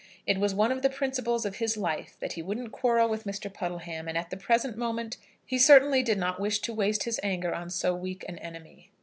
It was one of the principles of his life that he wouldn't quarrel with Mr. Puddleham; and at the present moment he certainly did not wish to waste his anger on so weak an enemy.